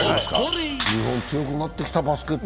日本、強くなってきた、バスケット。